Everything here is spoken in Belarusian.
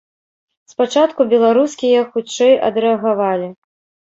Спачатку беларускія хутчэй адрэагавалі.